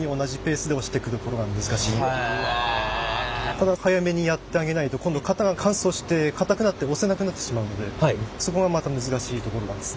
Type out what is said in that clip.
ただ早めにやってあげないと今度は型が乾燥して固くなって押せなくなってしまうのでそこがまた難しいところなんです。